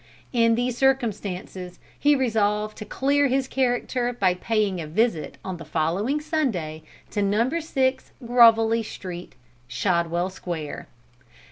In these circumstances, he resolved to clear his character by paying a visit on the following Sunday to Number 6 Grovelly Street, Shadwell Square.